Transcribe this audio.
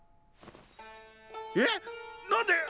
えっ何で！？